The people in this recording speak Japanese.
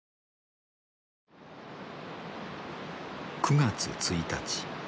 ９月１日。